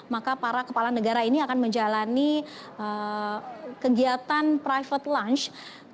maka para kepala negara ini akan menjalani kegiatan private lunch